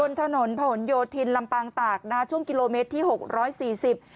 ถนนผนโยธินลำปางตากนะช่วงกิโลเมตรที่หกร้อยสี่สิบ